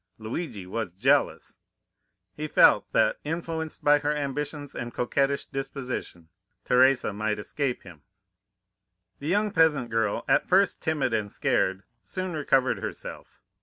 "Luigi was jealous! "He felt that, influenced by her ambitions and coquettish disposition, Teresa might escape him. "The young peasant girl, at first timid and scared, soon recovered herself.